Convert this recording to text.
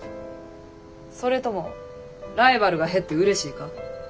それともライバルが減ってうれしいか？